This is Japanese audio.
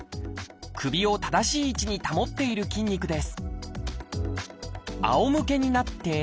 首を正しい位置に保っている筋肉です